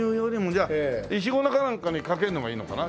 じゃあイチゴかなんかにかけるのがいいのかな？